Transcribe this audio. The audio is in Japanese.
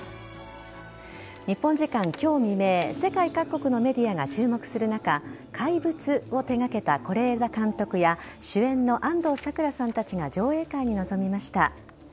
日本時間今日未明世界各国のメディアが注目する中「怪物」を手掛けた是枝監督や主演の安藤サクラさんたちが上映会に臨みました。